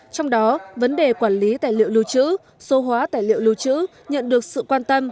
trong đó vấn đề quản lý tài liệu lưu trữ số hóa tài liệu lưu trữ nhận được sự quan tâm